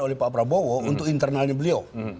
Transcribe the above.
oleh pak prabowo untuk internalnya beliau